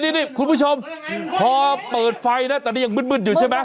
โอ้โหโหนี่คุณผู้ชมพอเปิดไฟนะแต่นี่ยังมืดอยู่ใช่ไหม